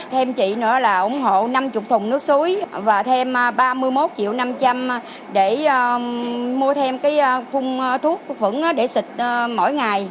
thêm chị nữa là ủng hộ năm mươi thùng nước suối và thêm ba mươi một triệu năm trăm linh để mua thêm cái khung thuốc phẩn để xịt mỗi ngày